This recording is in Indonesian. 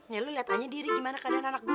ya lo liat aja diri gimana keadaan anak gue